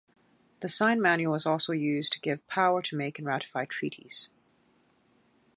The sign-manual is also used to give power to make and ratify treaties.